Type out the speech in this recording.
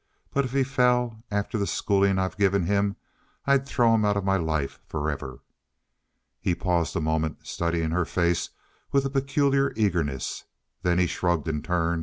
But if he fell, after the schooling I've given him, I'd throw him out of my life forever." He paused a moment, studying her face with a peculiar eagerness. Then he shrugged in turn.